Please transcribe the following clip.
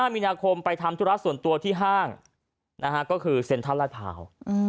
มีนาคมไปทำธุระส่วนตัวที่ห้างก็คือเซ็นทรัลลาดพร้าว